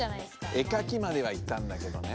絵かきまではいったんだけどね。